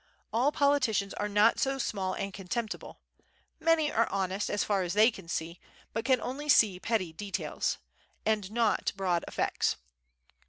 All politicians are not so small and contemptible; many are honest, as far as they can see, but can see only petty details, and not broad effects.